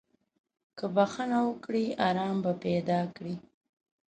که بخښنه وکړې، ارام به پیدا کړې.